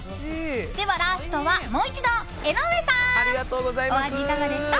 ラストはもう一度、江上さんお味はいかがでしょうか？